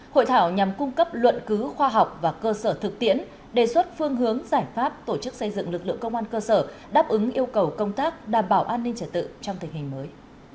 hội thảo nhằm cung cấp luận cứu khoa học và cơ sở thực tiễn đề xuất phương hướng giải pháp tổ chức xây dựng lực lượng công an cơ sở đáp ứng yêu cầu công tác đảm bảo an ninh trật tự trong tình hình mới